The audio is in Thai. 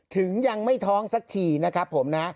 ถึงยังไม่ท้องสักทีนะครับผมนะ